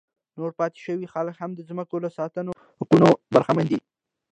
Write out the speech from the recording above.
نور پاتې شوي خلک هم د ځمکو له سنتي حقونو برخمن دي.